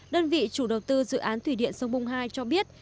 đơn vị chủ đầu tư dự án thủy điện sông bung hai cho biết